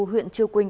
huyện chư quynh